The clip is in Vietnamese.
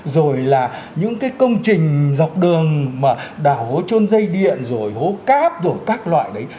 rồi là những cái công trình dọc đường mà đảo hố trôn dây điện rồi hố cát rồi các loại đấy